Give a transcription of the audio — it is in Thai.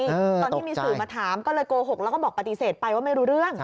ตอนที่มีสื่อมาถามก็เลยโกหกแล้วก็บอกปฏิเสธไปว่าไม่รู้เรื่อง